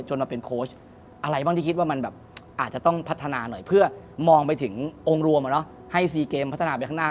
มาเป็นโค้ชอะไรบ้างที่คิดว่ามันแบบอาจจะต้องพัฒนาหน่อยเพื่อมองไปถึงองค์รวมให้๔เกมพัฒนาไปข้างหน้า